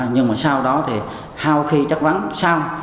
nhưng mà sau đó thì hao khi chất vấn xong